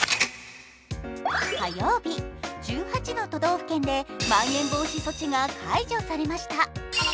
火曜日、１８の都道府県でまん延防止措置が解除されました。